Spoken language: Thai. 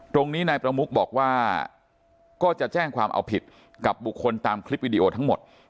ตรงนี้นายประมุกบอกว่าก็จะแจ้งความเอาผิดกับบุคคลตามคลิปวิดีโอทั้งหมด